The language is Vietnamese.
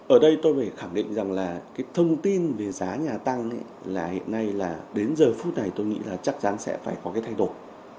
ở đây tôi phải khẳng định rằng là cái thông tin về giá nhà tăng là hiện nay là đến giờ phút này tôi nghĩ là chắc chắn sẽ phải có cái thay đổi